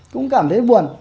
cũng cảm thấy buồn